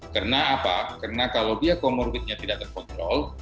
karena apa karena kalau dia comorbidnya tidak terkontrol